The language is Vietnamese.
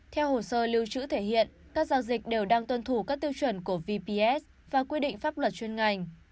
theo hồ sơ lưu trữ thể hiện các giao dịch đều đang tuân thủ các tiêu chuẩn của vps và quy định pháp luật chuyên ngành